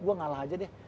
gue ngalah aja deh